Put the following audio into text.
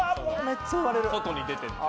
外に出てて。